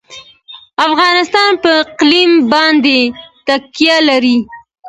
افغانستان په اقلیم باندې تکیه لري.